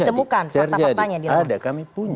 ditemukan fakta faktanya di luar ada kami punya